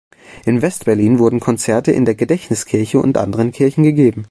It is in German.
In Westberlin wurden Konzerte in der Gedächtniskirche und anderen Kirchen gegeben.